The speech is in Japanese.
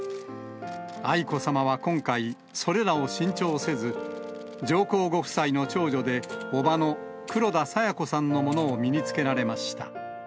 愛子さまは今回、それらを新調せず、上皇ご夫妻の長女で、叔母の黒田清子さんのものを身に着けられました。